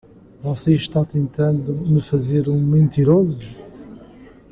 Você está tentando me fazer um mentiroso?